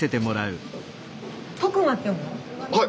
はい！